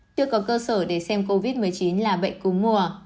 chưa có cơ sở để xem covid một mươi chín là bệnh cúng mùa